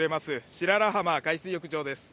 白良浜海水浴場です。